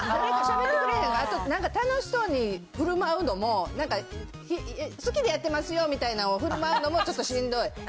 あとなんか、楽しそうにふるまうのも、なんか好きでやってますよみたいなのをふるまうのもちょっとしん